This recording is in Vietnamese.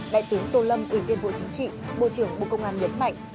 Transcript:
đại tướng tô lâm ủy viên bộ chính trị bộ trưởng bộ công an nhấn mạnh